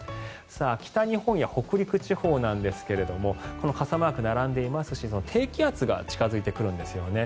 北日本や北陸地方なんですが傘マークが並んでいますし低気圧が近付いてくるんですよね。